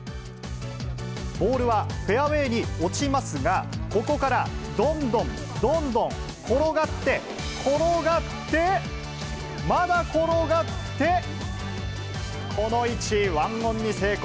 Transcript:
ボールはフェアウエーに落ちますが、ここからどんどんどんどん転がって、転がって、まだ転がって、この位置、１オンに成功。